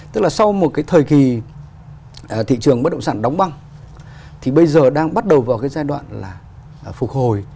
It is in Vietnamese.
tức là sau một cái thời kỳ thị trường bất động sản đóng băng thì bây giờ đang bắt đầu vào cái giai đoạn là phục hồi